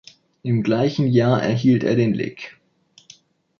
Im gleichen Jahr erhielt er den Lic.